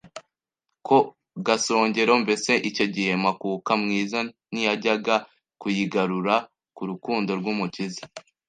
ku gasongero mbese icyo gihe makuka mwiza ntiyajyaga kuyigarura ku rukundo rw'Umukiza